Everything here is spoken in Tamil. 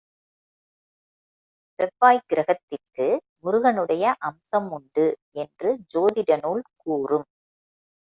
செவ்வாய்க் கிரகத்திற்கு முருகனுடைய அம்சம் உண்டு என்று சோதிட நூல் கூறும்.